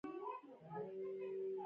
ټوله ورځ یې کیسه کوله.